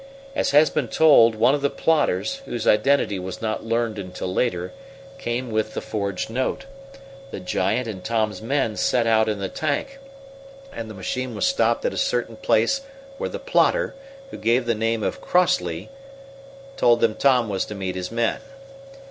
As has been told, one of the plotters, whose identity was not learned until later, came with the forged note. The giant and Tom's men set out in the tank, and the machine was stopped at a certain place where the plotter, who gave the name of Crossleigh, told them Tom was to meet his men.